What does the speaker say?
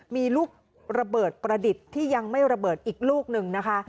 มีลูกระเบิดประดิษฐ์ที่ยังไม่ระเบิดอีกลูกหนึ่งนะคะ